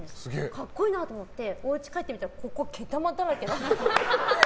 格好いいなと思っておうち帰って見たら袖、毛玉だらけだったんです。